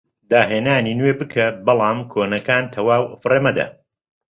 داهێنانی نوێ بکە بەڵام کۆنەکان تەواو فڕێ مەدە